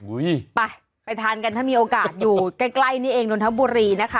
ไปไปทานกันถ้ามีโอกาสอยู่ใกล้นี่เองนนทบุรีนะคะ